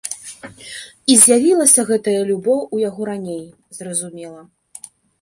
І з'явілася гэтая любоў у яго раней, зразумела.